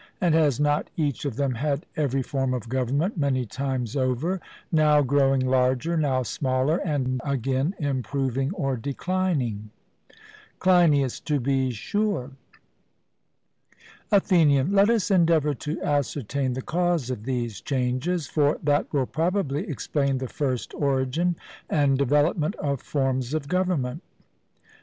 And has not each of them had every form of government many times over, now growing larger, now smaller, and again improving or declining? CLEINIAS: To be sure. ATHENIAN: Let us endeavour to ascertain the cause of these changes; for that will probably explain the first origin and development of forms of government.